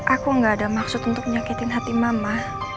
aku gak ada maksud untuk nyakitin hati mama